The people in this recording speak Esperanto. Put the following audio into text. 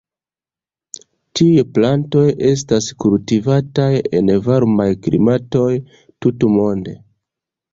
Tiuj plantoj estas kultivataj en varmaj klimatoj tutmonde.